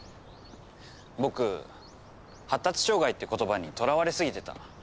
僕発達障害って言葉にとらわれ過ぎてた。